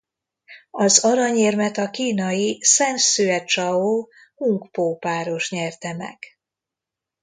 Az aranyérmet a kínai Sen Hszüe–Csao Hung-po-páros nyerte meg.